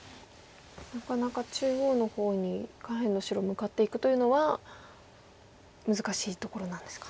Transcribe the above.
なかなか中央の方に下辺の白向かっていくというのは難しいところなんですか。